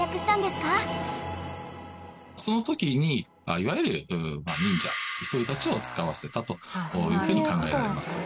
その時にいわゆる忍者そういう人たちを遣わせたというふうに考えられます。